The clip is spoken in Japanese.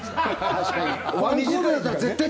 確かに。